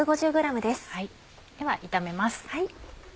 では炒めます。